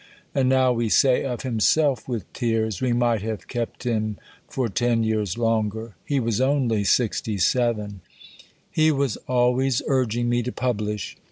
And now we say of himself with tears "We might have kept him for 10 years longer." He was only 67. He was always urging me to publish.